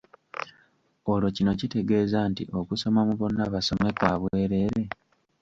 Olwo kino kitegeeza nti okusoma mu `Bonna Basome' kwa bwerere?